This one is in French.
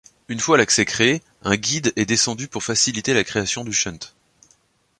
Une fois l'accès créé, un guide est descendu pour faciliter la création du shunt.